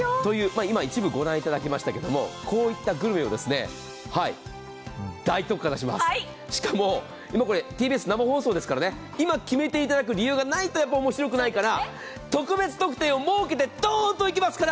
今、一部ご覧いただきましたけど、こういったグルメを大特価出します、しかも今、ＴＢＳこれ生放送ですから、今、決めていただく理由がないとおもしろくないから特別特典を設けてドーンといきますから、